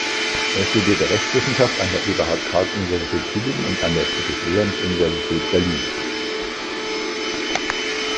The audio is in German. Er studierte Rechtswissenschaft an der Eberhard Karls Universität Tübingen und der Friedrich-Wilhelms-Universität Berlin.